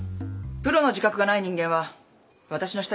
プロの自覚がない人間はわたしの下にはいらない。